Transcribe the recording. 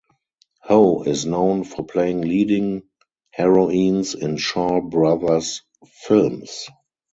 Ho is known for playing leading heroines in Shaw Brothers films.